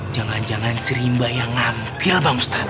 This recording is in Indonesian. jangan jangan serimba yang ngampil pak ustadz